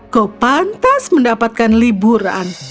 kau pantas mendapatkan liburan